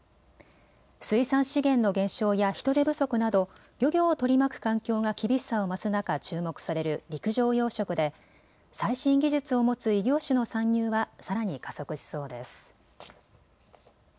水産資源の減少や人手不足など漁業を取り巻く環境が厳しさを増す中、注目される陸上養殖で最新技術を持つ異業種の参入はさらに加速しそうです。